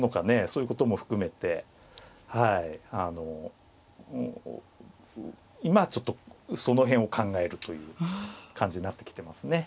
そういうことも含めて今はちょっとその辺を考えるという感じになってきてますね。